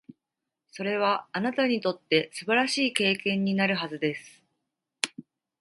それは、あなたにとって素晴らしい経験になるはずです。